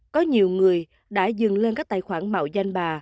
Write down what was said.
có nhiều người đã dừng lên các tài khoản mạo danh bà